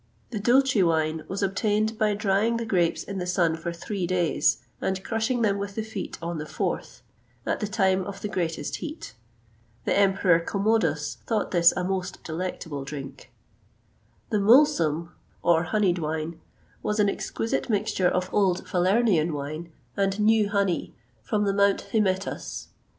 [XXVIII 121] The Dulce wine was obtained by drying the grapes in the sun for three days, and crushing them with the feet on the fourth, at the time of the greatest heat.[XXVIII 122] The Emperor Commodus thought this a most delectable drink.[XXVIII 123] The Mulsum, or honeyed wine, was an exquisite mixture of old Falernian wine and new honey, from the Mount Hymettus.